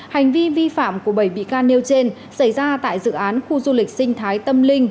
hành vi vi phạm của bảy bị can nêu trên xảy ra tại dự án khu du lịch sinh thái tâm linh